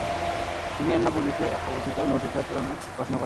তিনি এন্নাপোলিসে অবস্থিত নৌ-শিক্ষায়তনে পড়াশুনা করেন।